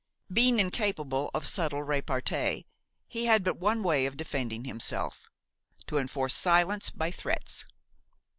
Being incapable of suitable repartee, he had but one way of defending himself: to enforce silence by threats.